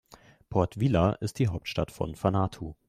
Port Vila ist die Hauptstadt von Vanuatu.